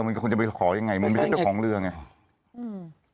มันก็คงจะไปขอยังไงมันไม่ได้ไปของเรือไงอืม